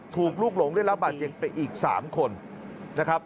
ลูกหลงได้รับบาดเจ็บไปอีก๓คนนะครับ